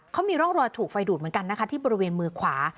เขามีร่องรอยถูกไฟดูดเหมือนกันนะคะที่บริเวณมือขวา